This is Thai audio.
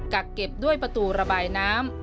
กักเก็บด้วยประตูระบายน้ำ